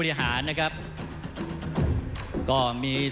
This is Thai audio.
ท่านแรกครับจันทรุ่ม